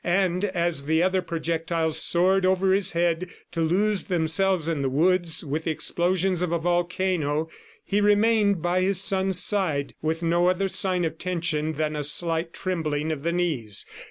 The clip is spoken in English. And as the other projectiles soared over his head to lose themselves in the woods with the explosions of a volcano, he remained by his son's side, with no other sign of tension than a slight trembling of the knees.